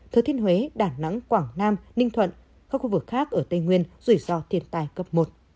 thừa thiên huế đà nẵng quảng nam ninh thuận các khu vực khác ở tây nguyên rủi ro thiên tài cấp một